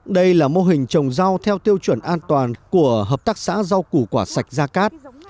đây là mô hình trồng rau theo tiêu chuẩn an toàn của hợp tác xã rau củ quả sạch gia cát